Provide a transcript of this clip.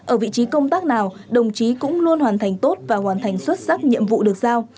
ở vị trí công tác nào đồng chí cũng luôn hoàn thành tốt và hoàn thành xuất sắc nhiệm vụ được giao